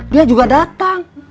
dia juga datang